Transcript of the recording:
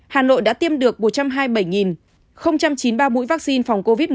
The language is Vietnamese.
hà nội đã tiêm được một trăm hai mươi bảy chín mươi ba mũi vaccine phòng covid một mươi chín